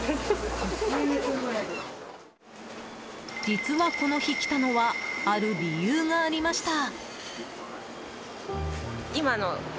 実はこの日、来たのはある理由がありました。